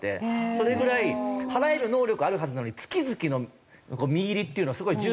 それぐらい払える能力あるはずなのに月々の実入りっていうのをすごい重視してきた社会。